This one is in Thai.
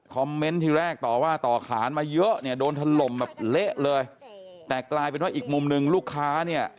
เมนต์ที่แรกต่อว่าต่อขานมาเยอะเนี่ยโดนถล่มแบบเละเลยแต่กลายเป็นว่าอีกมุมหนึ่งลูกค้าเนี่ย